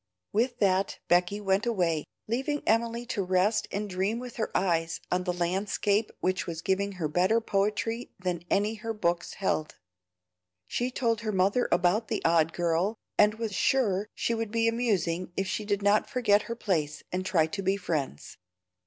With that Becky went away, leaving Emily to rest and dream with her eyes on the landscape which was giving her better poetry than any her books held. She told her mother about the odd girl, and was sure she would be amusing if she did not forget her place and try to be friends.